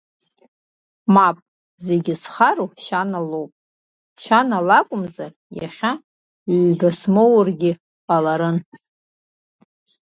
Мап, зегьы зхароу Шьана лоуп, Шьана лакәымзар иахьа ҩба смоургьы ҟаларын…